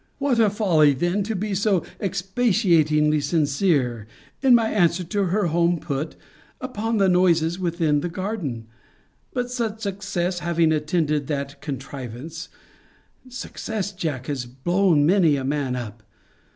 What a folly then to be so expatiatingly sincere, in my answer to her home put, upon the noises within the garden? But such success having attended that contrivance [success, Jack, has blown many a man up!